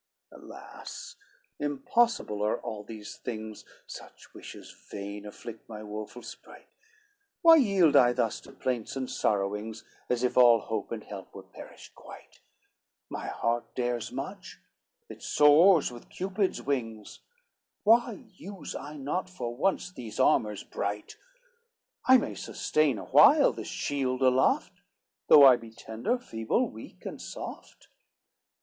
LXXXVI "Alas! impossible are all these things, Such wishes vain afflict my woful sprite, Why yield I thus to plaints and sorrowings, As if all hope and help were perished quite? My heart dares much, it soars with Cupid's wings, Why use I not for once these armors bright? I may sustain awhile this shield aloft, Though I be tender, feeble, weak and soft.